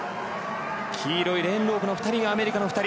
黄色いレーンロープの奥の２人がアメリカの２人。